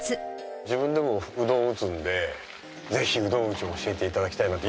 自分でもうどん打つんでぜひうどん打ちを教えていただきたいなって。